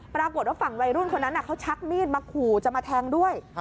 ปรากฏว่าฝั่งวัยรุ่นคนนั้นเขาชักมีดมาขู่จะมาแทงด้วย